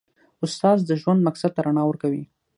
استاد د ژوند مقصد ته رڼا ورکوي.